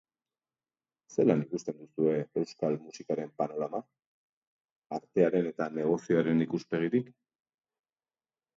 Zelan ikusten duzue euskal musikaren panorama, artearen eta negozioaren ikuspegitik?